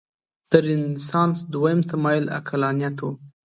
د رنسانس دویم تمایل عقلانیت و.